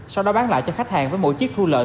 sau đó bán lại cho khách hàng với mỗi chiếc thu lợi